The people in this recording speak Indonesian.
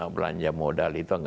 belanja modal itu